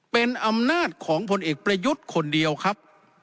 เป็นอำนาจของพลเอกประยุทธ์คนเดียวครับ